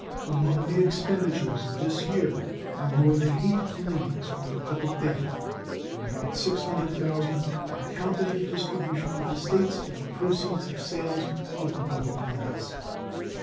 Among the expenditures of this year are more than eight millions for the public debt and about $600,000 on account of the distribution to the States of the proceeds of sales of the public lands.